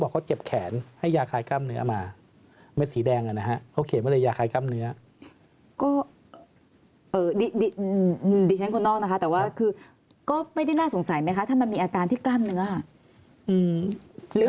ก็ไม่ได้น่าสงสัยใช่ไหมคะถ้ามันมีอาการที่กล้ามเนื้อ